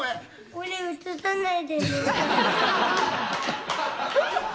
「俺映さないでね」